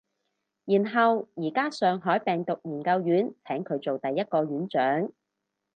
然後而家上海病毒研究院請佢做第一個院長